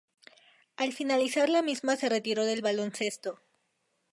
Al finalizar la misma se retiró del baloncesto.